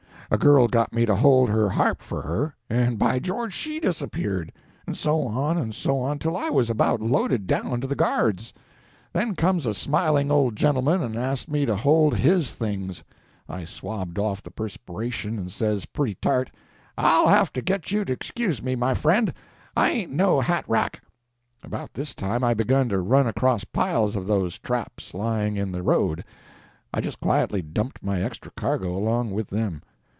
A girl got me to hold her harp for her, and by George, she disappeared; and so on and so on, till I was about loaded down to the guards. Then comes a smiling old gentleman and asked me to hold his things. I swabbed off the perspiration and says, pretty tart— "I'll have to get you to excuse me, my friend,—I ain't no hat rack." About this time I begun to run across piles of those traps, lying in the road. I just quietly dumped my extra cargo along with them.